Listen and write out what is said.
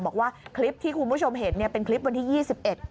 บอกว่าคลิปที่คุณผู้ชมเห็นเป็นคลิปวันที่๒๑